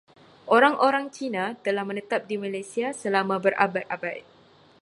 Orang-orang Cina telah menetap di Malaysia selama berabad-abad.